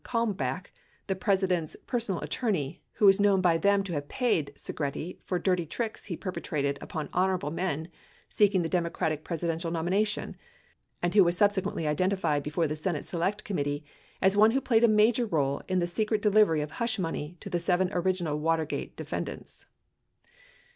Kalmbarh, the President's per sonal attorney, who was known by them to have paid Segretti for dirty tricks he perpetrated upon honorable men seeking the Demo cratic Presidential nomination, and who was subsequently identified before the Senate Select Committee as one who played a major role in the secret delivery of hush money to the seven original Watergate defendants.